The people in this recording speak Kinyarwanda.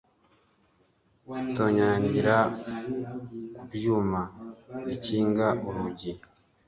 itonyangira ku byuma bikinga urugi.